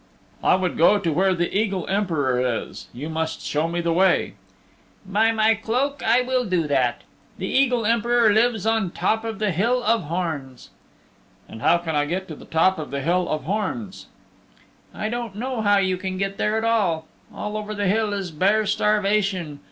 "I would go to where the Eagle Emperor is. You must show me the way." "By my cloak I will do that. The Eagle Emperor lives on the top of the Hill of Horns." "And how can I get to the top of the Hill of Horns?" "I don't know how you can get there at all. All over the Hill is bare starvation.